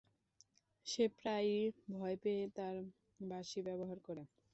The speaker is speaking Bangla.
যে প্রায়ই ভয় পেয়ে তার বাঁশি ব্যবহার করে।